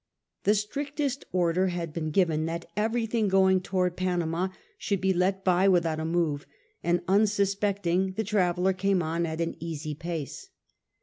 The strictest order had been given that everything going towards Panama should be let by without a move, and unsus pecting the traveller came on at an easy pace.